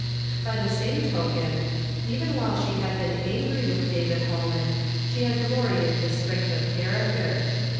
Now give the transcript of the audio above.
By the same token, even while she had been angry with David Ilolman, she had gloried in his strength of character.